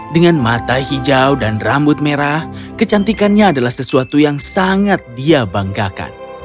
dengan mata hijau dan rambut merah kecantikannya adalah sesuatu yang sangat dia banggakan